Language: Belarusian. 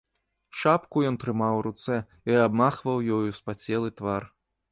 Шапку ён трымаў у руцэ і абмахваў ёю спацелы твар.